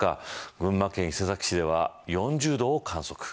群馬県伊勢崎市では４０度を観測。